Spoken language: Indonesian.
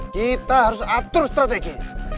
kita harus atur strategi